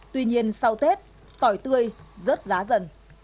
tuy nhiên sau tết tỏi tươi rớt giá dần